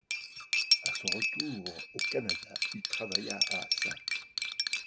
À son retour au Canada, il travailla à St.